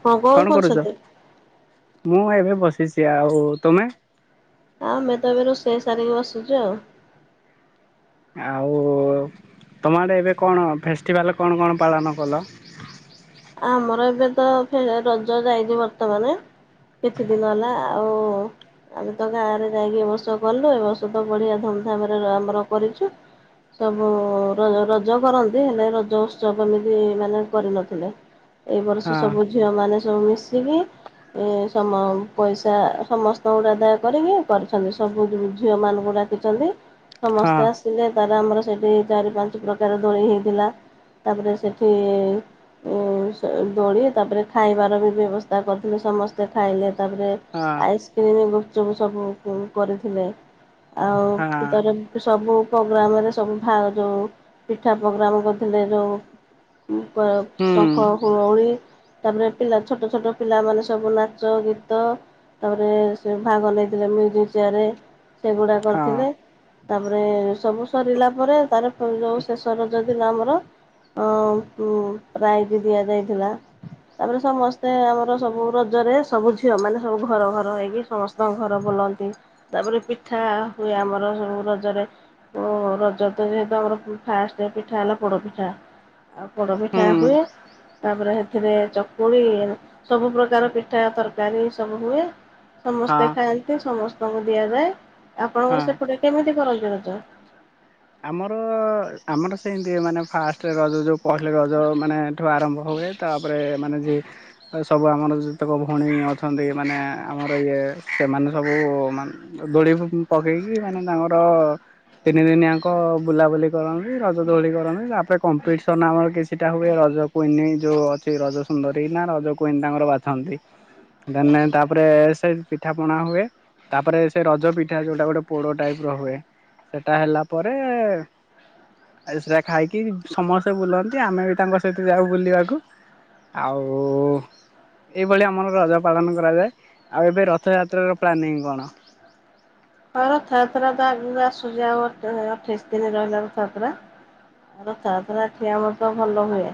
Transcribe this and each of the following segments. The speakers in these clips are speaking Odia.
ହଁ କଣ କରୁଚ? କରୁଛନ୍ତି? ମୁଁ ଏବେ ବସିଚି ଆଉ ତମେ। ଆମେ ତ ଏବେ ରୋଷେଇ ସାରିକି ବସିଚୁ ଆଉ। ଆଉ ତମ ଆଡେ ଏବେ କଣ ଫେଷ୍ଟିଭାଲ କଣ କଣ ପାଳନ କଲ? ଆମର ଏବେ ତ ଫେ ରଜ ଯାଇଚି ବର୍ତ୍ତମାନେ। କିଛି ଦିନ ହେଲା ଆଉ ଆମେ ତ ଗାଁ ରେ ଯାଇକି ଏ ବର୍ଷ କଲୁ ଏ ବର୍ଷ ତ ବଢିଆ ଧୁମଧାମ ରେ ଆମର କରିଚୁ। ସବୁ ର ରଜ କରନ୍ତି ହେଲେ ରଜ ଉତ୍ସବ ଏମିତି ମାନେ କରିନଥିଲେ। ଏଇ ବରଷ ହଁ ସବୁ ଝିଅମାନେ ସବୁ ମିଶିକି ଏ ସମ ପଇସା ସମସ୍ତଙ୍କଠୁ ଆଦାୟ କରିକି କରିଛନ୍ତି ସବୁ ଝିଅ ମାନଙ୍କୁ ଡାକି ଚନ୍ତି ହଁ ସମସ୍ତେ ଆସି ଲେ ତାର ଆମର ସେଠି ଚାରି ପାଞ୍ଚ ପ୍ରକାର ଦୋଳି ହେଇଥିଲା ତାପରେ ସେଠି ଉଁ ସ ଦୋଳି ତାପରେ ଖାଇବାର ବି ବ୍ୟବସ୍ଥା କରିଥିଲୁ ସମସ୍ତେ ଖାଇଲେ ତାପରେ ହଁ ଆଇସ୍କ୍ରିମ ଗୁପଚୂପୁ ସବୁ ହୁଁ କରିଥିଲେ ଆଉ ହଁ ତାର ସବୁ ପୋଗ୍ରାମ ରେ ସବୁ ଭା ଯୋଉ ପିଠା ପୋଗ୍ରାମ କରିଥିଲେ ଯୋଉ [unintelligible] ଶଙ୍ଖ। ହୁଁ ହୁଳହୁଳି ତାପରେ ପିଲା ଛୋଟ ଛୋଟ ପିଲାମାନେ ସବୁ ନାଚ ଗୀତ ତାପରେ ସେ ଭାଗ ନେଇଥିଲେ ମ୍ୟୁଜିକ ଚେୟାରେ। ସେଗୁଡା ହଁ କରିଥିଲେ ତାପରେ ସବୁ ସରିଲା ପରେ ତାର ଯୋଉ ଶେଷ ରଜ ଥିଲା ଆମର ଅ ଉଁ ପ୍ରାଇଜ ଦିଆଯାଇଥିଲା। ତାପରେ ସମସ୍ତେ ଆମର ସବୁ ରଜରେ ସବୁ ଝିଅ ମାନେ ସବୁ ଘର ଘର ହେଇକି ସମ ଘର ବୁଲନ୍ତି ତାପରେ ପିଠା ହୁଏ ଆମର ସବୁ ରଜରେ ଓ ରଜ ତ ଯେହେତୁ ଆମର ଫାଷ୍ଟ ପିଠା ହେଲା ପୋଡପିଠା ଆଉ ପୋଡପିଠା ହୁଁ ଖୀଆ ହୁଏ ତାପରେ ଫେରେ ଚକୁଳି ସବୁ ପ୍ରକାର ପିଠା ତରକାରୀ ସବୁ ହୁଏ। ହଁ ସମସ୍ତେ ଖାଆନ୍ତି ସମସ୍ତଙ୍କୁ ଦିଆଯାଏ ଆପଣଙ୍କର ହଁ। ସେପଟେ କେମିତି କରନ୍ତି ରଜ। ଆମର ଆମର ସେମିତି ମାନେ ଫାଷ୍ଟ ରଜ ଯୋଉ ପହିଲି ରଜ ମାନେଠୁ ଆରମ୍ଭ ହୁଏ। ତାପରେ ମାନେ ଯେ ଏ ସବୁ ଆମର ଯେତେକ ଭଉଣୀ ଅଛନ୍ତି ମାନେ ଆମର ଇଏ ସେମାନେ ସବୁ ମାନେ ଦୋଳି ପକେଇକି ମାନେ ତାଙ୍କର ତିନି ଦିନିଆ ତାଙ୍କ ବୁଲାବୁଲି କରନ୍ତି ରଜ ଦୋଳି କରନ୍ତି ତାପରେ କମ୍ପିଟିସନ୍ ଆମର କିଛିଟା ହୁଏ ରଜ କୁଇନି ଯୋଉ ଅଛି ରଜ ସୁନ୍ଦରୀ ନା ରଜ କୁଇନ ତାଙ୍କର ବାଛନ୍ତି। ଦେନ ନେନ ତାପରେ ସେ ପିଠାପଣା ହୁଏ। ତାପରେ ସେ ରଜ ପିଠା ଯୋଉଟା ଗୋଟେ ପୋଡ ଟାଇପ ର ହୁଏ ସେଟା ହେଲା। ପରେ ଆଉ ସେଟା ଖାଇକି ସମସ୍ତେ ବୁଲନ୍ତି ଆମେ ବି ତାଙ୍କ ସହିତ ଯାଉ ବୁଲିବାକୁ। ଆଉ ଏଇଭଳିଆ ଆମର ରଜ ପାଳନ କରାଯାଏ ଆଉ ଏବେ ରଥଯାତ୍ରାର ପ୍ଲାନିଂ କଣ? ହଁ ରଥଯାତ୍ରା ତ ଆଗୁରୁ ଆସୁଚି ଆଉ ଅଠେଇଶ ଦିନି ରହିଲା ରଥଯାତ୍ରା। ରଥଯାତ୍ରା ଏଠି ଆମର ତ ଭଲ ହୁଏ।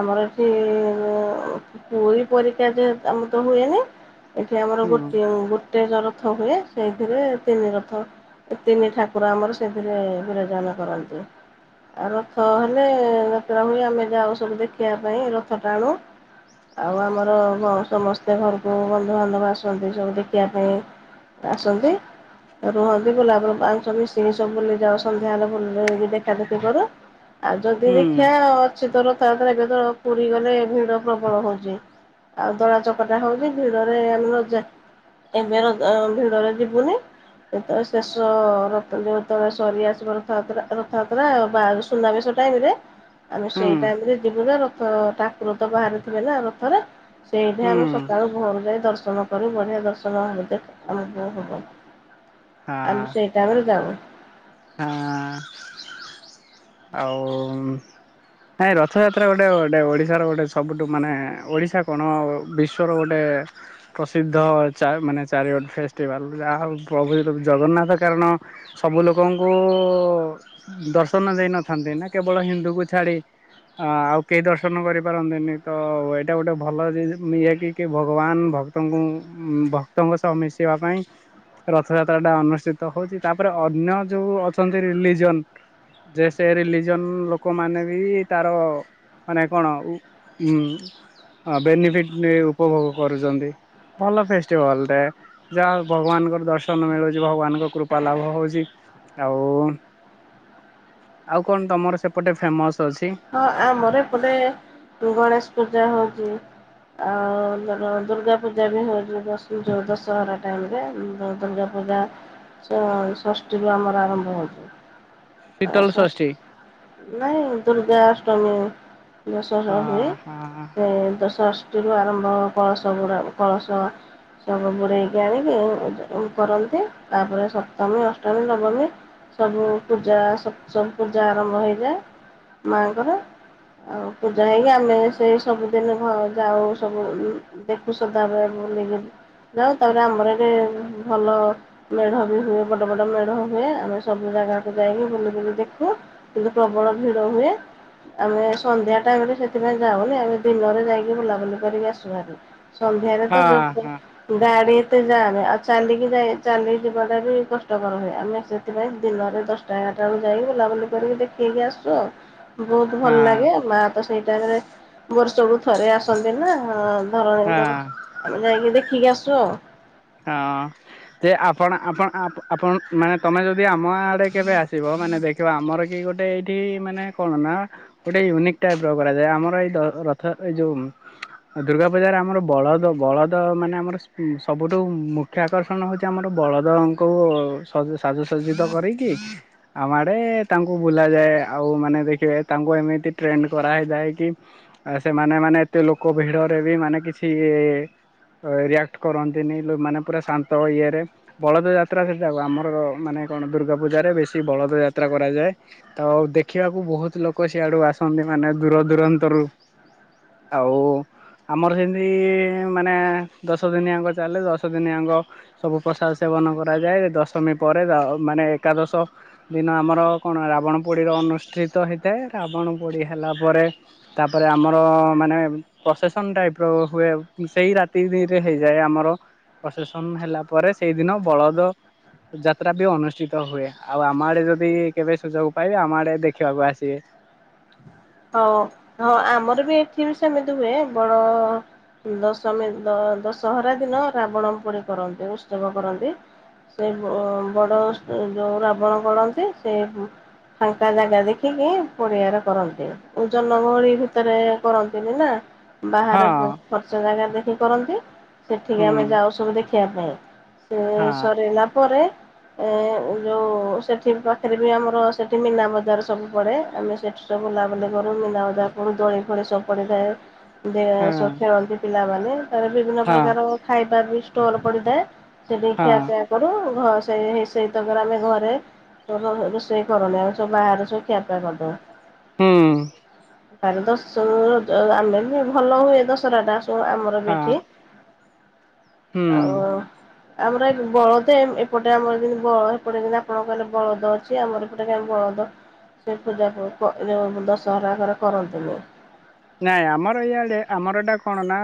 ଆମର ଏଠି ପୁଇ ପରୀକା ଯେ ଆମର ତ ହୁଏନି। ଏଠି ଆମର ହୁଁ ଗୋଟଏ ଗୋଟେ ଜ ରଥ ହୁଏ ସେଇଥିରେ ତିନି ରଥ ତିନି ଠାକୁର ଆମର ସେଥିରେ ବିରଜାନ କରନ୍ତି। ଆଉ ରଥ ହେଲେ ଯାତ୍ରା ହୁଏ ଆମେ ଯାଉ ସବୁ ଦେଖିବା ପାଇଁ ରଥ ଟାଣୁ। ଆଉ ଆମର ସମସ୍ତେ ଘରକୁ ବନ୍ଧୁବାନ୍ଧବ ଆସନ୍ତି ସବୁ ଦେଖିବା ପାଇଁ। ଆସନ୍ତି। ରୁହନ୍ତି ଗୋଲାବ ମାଉଂସ ମିଶିକି ସବୁ ବୁଲିଯାଉ ସନ୍ଧ୍ୟା ହେଲେ ବୁ ଦେଖା ଦେଖି କରୁ। ଆଉ ଯଦି ହୁଁ ଦେଖିିବା ଅଛି ତ ରଥାଯତ୍ରା ଏବେ ତ ପୁରୀ ଗଲେ ଭିଡ ପ୍ରବଳ ହଉଛି। ଆଉ ଦଳା ଚକଟା ହଉଚି ଭିଡରେ ନ ଜା ଏବେ ରାଜ୍ୟ ଭିଡରେ ଯିବୁନି। ଶେଷ ରଥ ଯେତବେଳେ ସରି ଆସିବ ରଥଯାତ୍ରା ରଥଯାତ୍ରା ଆଉ ବା ସୁନାବେଶ ଟାଇମରେ ଆମେ ହୁଁ ସେଇ ଟାଇମରେ ଯିବୁ ଯେ ରଥ ଟା ଠାକୁର ତ ବାହାରି ଥିବେ ନା ରଥରେ? ସେଇଠି ହୁଁ ଆମେ ସକାଳୁ ଘରୁ ଯାଇ ଦର୍ଶନ କରୁ। ବଢ଼ିଆ ଦର୍ଶନ ଆଣି [unintelligible] ଆମେ ହଁ ସେଇ ଟାଇମରେ ଯାଉ। ହଁ, ଆଉ। ନାଇଁ ରଥଯାତ୍ରା ଗୋଟେ ଗୋଟେ ଓଡ଼ିଶାର ଗୋଟେ ସବୁଠୁ ମାନେ ଓଡ଼ିଶା କଣ ବି ବିଶ୍ୱର ଗୋଟେ ପ୍ରସିଦ୍ଧ ଚା ମାନେ ଚାରିଆଡୁ ଫେଷ୍ଟିଭାଲ୍ ଯାହାହଉ ପ୍ରଭୁ ଜଗନ୍ନାଥ କାରଣ ସବୁ ଲୋକଙ୍କୁ ଦର୍ଶନ ଦେଇନଥାନ୍ତି ନା କେବଳ ହିନ୍ଦୁ କୁ ଛାଡ଼ି। ଆଉ କେହି ଦର୍ଶନ କରିପାରନ୍ତିନି ତ ଏଇଟା ଗୋଟେ ଭଲ ମିଆଟି କେ ଭଗବାନ୍ ଭ ଭକ୍ତଙ୍କୁ ଭକ୍ତଙ୍କ ସହ ମିଶିବା ପାଇଁ। ରଥଯାତ୍ରା ଟା ଅନୁଷ୍ଠିତ ହଉଛି ତାପରେ ଅନ୍ୟ ଯୋଉ ଅଛନ୍ତି ରିଲିଯନ୍ ଯେ ସେ ରିଲିଜନ୍ ଲୋକ ମାନେ ବି ତାର ମାନେ କଣ ଉ ବେନିଫିଟ୍ ନେଇ ଉପଭୋଗ କରୁଛନ୍ତି? ଭଲ ଫେଷ୍ଟିଭାଲ ଟେ। ଯାହାହଉ ଭଗବାନଙ୍କର ଦର୍ଶନ ମିଳୁଛି ଭଗବାନଙ୍କ କୃପା ଲାଭ ହଉଛି। ଆଉ ଆଉ କଣ ତମର ସେପଟେ ଫେମସ ଅଛି? ହଁ, ଆମର ଏପଟେ ଗଣେଷ ପୂଜା ହଉଛି। ଆଉ ଲଗ ଦୁର୍ଗା ପୂଜା ବି ହଉଛି ଦଶୁ ଯ ଦଶହରା ଟାଇମ୍ ରେ। [unintelligible] ପୂଜା ଷ ଷଷ୍ଟିରୁ ଆମର ଆରମ୍ଭ ହବ। ଆ ଶୀତଳ ସ ଷଷ୍ଠୀ। ସ ନାଇଁ ଦୁର୍ଗା ଅଷ୍ଟମି। ଦଶହରା ହୁଏ। ହଁ ହଁ ସେ ଦଶ ଷଷ୍ଟି ରୁ ଆରମ୍ଭ କଳସ ବୁଡ଼ା କଳସ ସବୁ ବୁଡେଇକି ଆଣିକି ଇଏ କରନ୍ତି, ତାପରେ ସପ୍ତମୀ, ଅଷ୍ଟମୀ, ନବମୀ ସବୁ ପୂଜା ସବୁ ପୂଜା ଆରମ୍ଭ ହେଇଯାଏ। ମା ଙ୍କର ଆଉ ପୂଜା ହେଇକି ଆମେ ସେଇ ସବୁ ଦେନୁ ଭା ଯାଉ ସବୁ ବୋଲି। ଦେଖୁ ସୁଦାରେ ଭୁଲି ବୁଲି ଯିବୁ, ଯାଉ ଆମର ଯେ ଭଲ ମେଢ଼ ବି ହୁଏ, ବଡ଼ ବଡ଼ ମେଢ଼ ହୁଏ, ଆମେ ସବୁ ଜାଗାକୁ ଯାଇକି ବୁଲି ବୁଲି ଦେଖୁ। କିନ୍ତୁ ପ୍ରବଳ ଭିଡ଼ ହୁଏ। ଆମେ ସନ୍ଧ୍ୟା ଟାଇମ ରେ ସେଥିପାଇଁ ଯାଉନି, ଆମେ ଦିନରେ ଯାଇକି ବୁଲାବୁଲି କରି ଆସୁ ଭାରି। ସନ୍ଧ୍ୟାରେ ହଁ ତ ଜୋକ୍ ହଁ ହୁଏ। ଗାଡ଼ି ଏତେ ଯାଏନି ଆଉ ଚାଲିକି ଯିବାଟା ବି କଷ୍ଟକର ହୁଏ। ଆମେ ସେ ସେଥିପାଇଁ ଦିନରେ ଦଶଟା ଏଗାରଟା ବେଳକୁ ଯାଇ ବୁଲାବୁଲି କରି ଦେଖି ଦେଇକି ଆସିଛୁ ଆଉ। ବହୁତ ହଁ ଭଲ ଲାଗେ। ମାଆ ତ ସେଇ ଟାଇମରେ ବର୍ଷକୁ ଥରେ ଆସନ୍ତି ନା। ଧରଣ ଧର ହଁ। ଆମେ ଯାଇକି ଦେଖିକି ଆସୁ ଆଉ। ହଁ, ଯେ, ଆପଣ ଆପଣ ଆ-ଆପଣ ମାନେ ତମେ ଯଦି ଆମ ଆଡ଼େ କେବେ ଆସିବ? ମାନେ ଦେଖ ଦେଖିବ ଆମର କି ଗୋଟେ ଏଇଠି ମାନେ କଣ ନା? ଗୋଟେ ୟୁନିକ୍ ଟାଇପ୍ ର କରାଯାଏ। ଆମର ଏଇ ଯୋଉ ରଥ ଏଇ ଯୋଉ ଦୁର୍ଗା ପୂଜାରେ ଆମର ବଳଦ ବଳଦ ମାନେ ଆମର ସବୁ। ବୁଠୁ ମୁଖ୍ୟ ଆକର୍ଷଣ ହଉଛି, ଆମର ବଳଦଙ୍କୁ ସବୁ ସାଜସଜ୍ଜିତ କରିକି। ଆମ ଆଡ଼େ ତାଙ୍କୁ ବୁଲାଯାଏ। ଆଉ ମାନେ ଦେଖିବେ ତାଙ୍କୁ ଏମିତି ଟ୍ରେଣ୍ଡ କରା ହୋଇଥାଏ କି? ଆ ସେମାନେ ମାନେ ଏତେ ଲୋକ ଭିଡରେ ବି ମାନେ କିଛି ରିଆକ୍ଟ କରନ୍ତି? ସେ ନେଇ ଲୋ, ମାନେ ପୂରା ଶାନ୍ତ ଇଏ ରେ। ବଳଦ ଯାତ୍ରା ସେଟା ଆମର ମାନେ ଦୁର୍ଗା ପୂଜାରେ ବେଶି ବଳଦ ଯାତ୍ରା କରାଯାଏ। ତ ଦେଖିବାକୁ ବହୁତ ଲୋକ ସିଆଡୁ ଆସନ୍ତି, ମାନେ ଦୂର ଦୂରାନ୍ତରୁ। ଆଉ ଆମର ସେମିତି ମାନେ ଦଶ ଦିନିଆ ଗ ତାହେଲେ ଦଶଦିନି ଆଙ୍କ। ସବୁ ପ୍ରସାଦ ସେବନ କରାଯାଏ, ଦଶମୀ ପରେ ତା ମାନେ ଏକାଦଶ। ଦିନ ଆମର ରାବଣ ପୋଡି ର ଅନୁଷ୍ଟିତ ହୋଇଥାଏ ରାବଣ ପୋଡ଼ି ହେଲା ପରେ ତାପରେ ଆମର ମାନେ ପ୍ରସେସନ ଟାଇପ ର ହୁଏ ସେଇ ରାତିରେ ହେଇଯାଏ ଆମର। ପ୍ରଶେସନ ହେଲା ପରେ ସେଇଦିନ ବଳଦ, ଯାତ୍ରା ବି ଅନୁଷ୍ଠିତ ହୁଏ ଆଉ ଆମ ଆଡେ ଯଦି କେବେ ସୁଯୋଗ ପାଇବେ ଆମ ଆଡେ ଦେଖିବାକୁ ଆସିବେ। ହଉ ହଉ ଆମର ବି ଏଠି ବି ସେମିତି ହୁଏ ବଡ ଦଶମୀ ଦଶହରା ଦିନ ରାବଣ ପୋଡି କରନ୍ତି ଉତ୍ସବ କରନ୍ତି। ସେ ବଡ଼ ଯୋଉ ରାବଣ କରନ୍ତି ସେ ଫାଙ୍କା ଜାଗା ଦେଖିକି ପଡ଼ିଆାର କରନ୍ତି। ଜନଗହଳି ଭିତରେ କରନ୍ତିନି ନା ହଁ ବାହାରକୁ ଫର୍ଚ୍ଚା ଜାଗା ଦେଖି କରନ୍ତି ସେଠିକି ଆମେ ହୁଁ ଯାଉ ସବୁ ଦେଖିବା ପାଇଁ। ହଁ ସରାଇଲା ପରେ ଏ ଯେଉଁ ସେଠି ପାଖରେ ବି ଆମର ସେଠି ମୀନା ବଜାର ସବୁ ପଡ଼େ ଆମେ ସେଠି ବୁଲା ବୁଲି ମିନା ବଜାର ପଡେ। ଦୋଳି ଫୋଳି ସବୁ ପଡିଥାଏ ହଁ। ଖେଳନ୍ତି ପିଲାମାନେ। ତ ବିଭିନ୍ନ ହଁ ପ୍ରକାର ଖାଇବା ବି ଷ୍ଟଲ୍ ପଡିଥାଏ। ସେଠି ହଁ ଖିଆ ପିଆ କରୁ ଘ ସେଇ ସେଇ ତାପରେ ଆମେ ଘରେ ରୋଷେଇ କରନି ଆଉ ସବୁ ବାହାରେ ସବୁ ଖିଆପିଆ କରିଦଉ। ହୁଁ। ଦ ଆମେ ବି ଭଲ ହୁଏ ଦଶରା ଟା ସବୁ ଆମର ହଁ ବି ଏଠି ହୁଁ। ଆଉ ଆମର ଏ ବଳଦ ଏପଟେ ଆମର ଯେମିତି ବଳଦ ପଡ଼େ ଆପଣଙ୍କ କହିଲେ ବଳଦ ଅ ଛି। ଆମର ଏପଟେ କାହିଁ ବଳଦ ସେ ପୂଜା ଦଶହରାଙ୍କର କରନ୍ତିନି। ନାଇଁ ଆମର ଇଆଡେ ଆମର ଏଇଟା କଣ ନା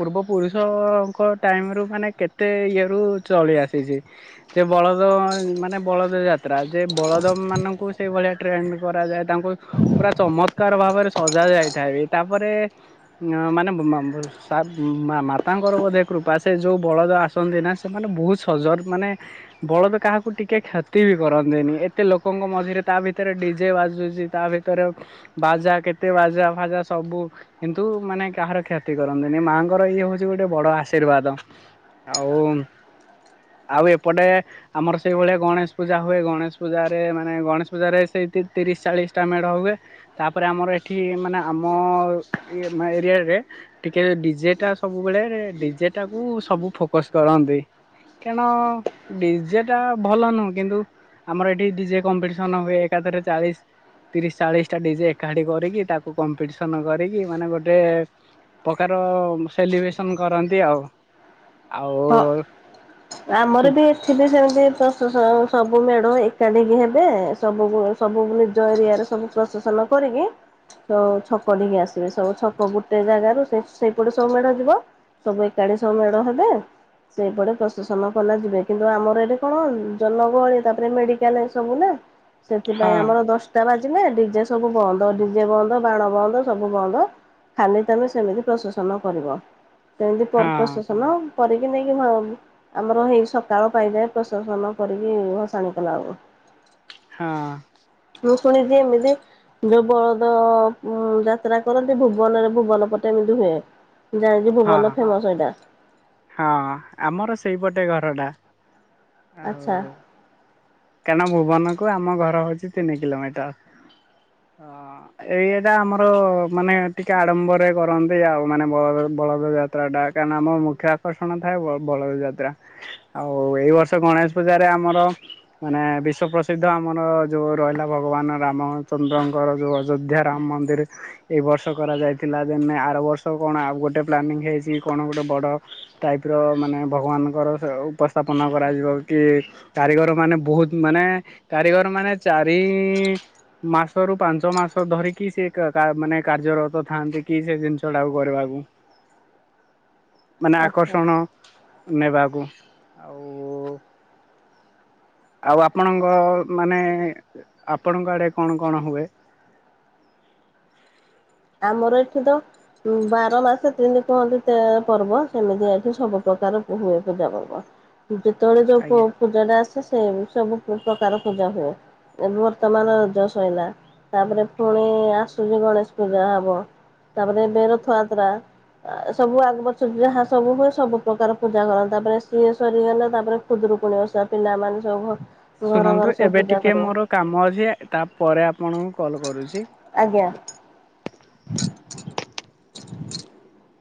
ପୂର୍ବ ପୁରୁଷଙ୍କ ଟାଇମ ରୁ ମାନେ କେତେ ଇଏରୁୁ ଚଳି ଆସିଛି। ସେ ବଳଦ ମାନେ ବଳଦ ଜା ତ୍ରା ଯେ ବଳଦ ମାନଙ୍କୁ ସେଇ ଭଳିଆ ଟ୍ରେଣ୍ଡ କରାଯାଏ। ତାଙ୍କୁ ପୁରା ଚମତ୍କାର ଭାବରେ ସଜା ଯାଇଥାଏ ବି ତାପରେ ମାନେ ମା ମା ମାତାଙ୍କର ବୋଧେ କୃପା ସେ ଯୋଉ ବଳଦ ଆସନ୍ତି ନା ସେ ମାନେେ ବହୁତ୍ ସଜର୍ ମାନେ ବଳଦ କାହାକୁ ଟିକେ କ୍ଷତି ବି କରନ୍ତିନି ଏତେ ଲୋକଙ୍କ ମଝିରେ ତା ଭିତରେ ଡିଜେ ବାଜୁଛି। ତା ଭିତରେ ବାଜା କେତେ ବାଜା ଫାଜା ସବୁ କିନ୍ତୁ ମାନେ କାହାର କ୍ଷତି କରନ୍ତିନି। ମାଆଙ୍କର ଇଏ ହଉଛି ଗୋଟେ ବଡ ଆଶୀର୍ବାଦ। ଆଉ, ଆଉ ଏପଟେ ଆମର ସେଇଭଳିଆ ଗଣେଶ ପୂଜା ହୁଏ। ଗଣେଶ ପୂଜାରେ ମାନେ ଗଣେଶ ପୂଜାରେ ସେଇ ତିରିଶ ଚାଳିଶଟା ମେଢ ହୁଏ। ତାପରେ ଆମର ଏଠି ମାନେ ଆମ ଇଏ ଏରିଆରେ ଟିକେ ଡିଜେ ଟା ସବୁବେଳେ ଡିଜେ ଟା କୁ ସବୁ ଫୋକସ କରନ୍ତି। କାରଣ ଡିଜେ ଟା ଭଲ ନୁହଁ କିନ୍ତୁ ଆମର ଏଠି ଡିଜେ କମ୍ପିଟିସନ ହୁଏ। ଏକାଥରେ ଚାଳିଶ ତିରିଶ ଚାଳିଶ ଟା ଡିଜେ ଏକାଠି କରିକି ତାକୁ କମ୍ପିଟିସନ କରିକି ମାନେ ଗୋଟେ- ପ୍ରକାର ସେଲିବ୍ରେସନ କରନ୍ତି ଆଉ। ଆଉ [unintelligible] ତୁ ଆମର ବି ଏଠି ବି ସେମିତି ସବୁ ମେଢ ଏକାଠିିକି ହେବେ ସବୁ ସବୁ ବି ନିଜ ଏରିଆରେ ସବୁ ପ୍ରସେସନ କରିକି ସବୁ ଛକ ନେଇିକି ଆସିବେ। ସବୁ ଛକ ଗୋଟେ ଜାଗାରୁ ସେଇପଟେ ସବୁ ମେଢ ଯିବ ସବୁ ଏକାଠି ସବୁ ମେଳ ହେବେ। ସେଇପଟେ ପ୍ରସେସନ କଲେ ଯିବେ କିନ୍ତୁ ଆମର ଏଠି କଣ ଜନଗହଳି, ତାପରେ ମେଡିକାଲ ଏ ସବୁ ନା। ସେଥିପାଇଁ ହଁ। ଆମର ଦଶଟା ବାଜିଲେ ଡିଜେ ସବୁ ବନ୍ଦ। ଡିଜେ ବନ୍ଦ ବାଣ ବନ୍ଦ ସବୁ ବନ୍ଦ। ଖାଲି ତମେ ସେମିତି ପ୍ରସେସନ କରିବ। ସେମିତି ହଁ ପ୍ରସେସନ କରିକି ନେଇକି ମା ଆମର ହେଇ ସକାଳ ପାଇଯାଏ ପ୍ରସେସନ କରିକି ଭସାଣି କଲା ବେଳକୁ। ହଁ। ମୁଁ ଫୁଣି ଯେ ଏମିତି ଯୋଉ ବଳଦ ଉ ଯାତ୍ରା କରନ୍ତି ଭୁବନରେ ଭୁବନ ପଟେ ଏମିତି ହୁଏ। ଜାଣିଜି ହଁ ଭୁବନ ଫେମସ ଏଟା। ହଁ ଆମର ସେଇପଟେ ଘର ଟା। ଆଚ୍ଛା। କାରଣ ଭୁବନ କୁ ଆମ ଘର ହଉଛି ତିନି କିଲୋମିଟର। ଅ ଏଇଟା ଆମର ମାନେ ଟିକେ ଆଡ଼ମ୍ବରେ କରନ୍ତି ଆଉ। ମାନେ ବଳ- ବଳଦ ଯାତ୍ ତ୍ରଟା, କାରଣ ଆମ ମୁଖ୍ୟ ଆକର୍ଷଣ ଥାଏ ବ-ବଳ ଯାତ୍ରା। ଆଉ, ଏଇ ବର୍ଷ ଗଣେଶ ପୂଜାରେ ଆମର ମାନେ ବିଶ୍ୱ ପ୍ରସିଦ୍ଧ ଆମର, ଯଉ ରହିଲା ଭଗବାନ ରାମଚନ୍ଦ୍ରଙ୍କର ଯଉ, ଅଯୋଧ୍ୟା ରାମ ମନ୍ଦିର ଏଇ ବର୍ଷ କରାଯାଇଥିଲା ଦିନେ, ଆର ବର୍ଷ କଣ ଗୋଟେ ପ୍ଲାନିଂ ହେଇଛି କଣ ଗୋଟେ ବଡ ଟାଇପ୍ ର ମାନେ ଭଗବାନଙ୍କର ଉପସ୍ଥାପନ କରାଯିବ କି? କାରିଗର ମାନେ ବହୁତ୍ ମାନେ କାରିଗର ମାନେ ଚାରି-ଇଁ ମାସରୁୁ ପାଞ୍ଚ ମାସ ଧରିକି ସେ କା-କା ମାନେ କାର୍ଯ୍ୟରତ ଥାଆନ୍ତି, କି ସେ ଜିନିଷ ଟାକୁ କରିବାକୁ। ମାନେ ଆଚ୍ଛା। ଆକର୍ଷଣ ନେବାକୁ। ଆଉ ଆଉ ଆପଣଙ୍କ ମାନେ-ଏ, ଆପଣଙ୍କ ଆଡ଼େ କଣ କଣ ହୁଏ? ଆମର ଏଠି ତ ହୁଁ, ବାର ମାସ ତିନି କୁହନ୍ତି ତେର ପର୍ବ ସେମିତି ଏଠି ସବୁପ୍ରକାର ହୁଏ ପୂଜା ପର୍ବ। ଯେତେବେଳେ ଯୋଉ ଆଜ୍ଞା ପୂ-ପୂଜା ଟା ଆସେ, ସେ ସବୁ ପ୍ରକାର ପୂଜା ହୁଏ। ଏବେ ବର୍ତ୍ତମାନ ରଜ ସଇଲା। ତା'ପରେ ଫୁଣି ଆସୁଛି ଗଣେଶ ପୂଜା ହବ। ତା'ପରେ ଏବେ ରଥଆତ୍ରା। ସବୁ ଆଗପଛ ଯାହା ସବୁ ହୁଏ, ସବୁ ପ୍ରକାର ପୂଜା କରନ୍ତି। ତା'ପରେ ସିଏ ସରିଗଲେ, ତା'ପରେ ଖୁଦୁରୁକୁୁଣୀ ଓଷା ପିଲାମାନେ ସବୁ ଭ ଶୁଣନ୍ତୁ ଏବେ ଟିକେ ମୋର କାମ ଅଛି। ତା' ପରେ ଆପଣଙ୍କୁ କଲ୍ କରୁଛି। ଆଜ୍ଞା। [inaudible]